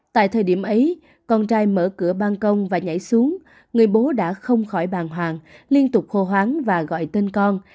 tại thời điểm ấy con trai mở cửa bàn công và nhảy xuống người bố đã không khỏi bàn hoàng liên tục khô hoáng và gọi tên con